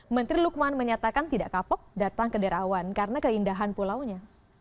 menteri lukman menyatakan tidak kapok datang ke derawan karena keindahan pulaunya